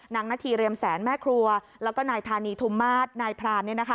นาธีเรียมแสนแม่ครัวแล้วก็นายธานีธุมมาตรนายพราน